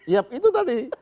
ya itu tadi